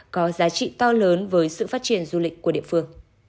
có giá trị to lớn với sự phát triển du lịch của địa phương